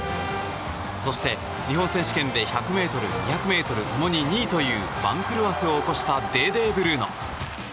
そして、日本選手権で１００ｍ、２００ｍ共に２位という番狂わせを起こしたデーデー・ブルーノ。